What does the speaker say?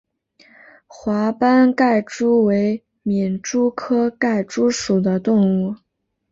华斑盖蛛为皿蛛科盖蛛属的动物。